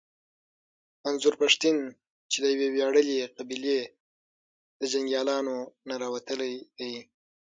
منظور پښتين چې د يوې وياړلې قبيلې د جنګياليانو نه راوتلی دی.